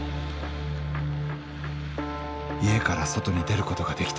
家から外に出ることができた。